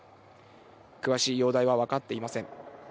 詳しい容体は分かっていません。